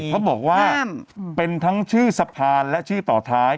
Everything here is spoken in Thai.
เขาบอกว่าเป็นทั้งชื่อสะพานและชื่อต่อท้าย